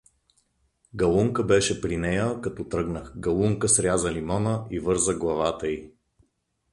Галунка беше при нея, като тръгнах, Галунка сряза лимон и върза главата и.